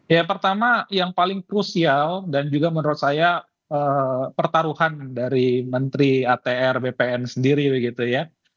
ya pertama yang paling krusial dan juga menurut saya pertaruhan dari menteri atr bpn sendiri begitu ya